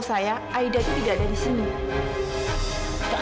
saya permisi dokter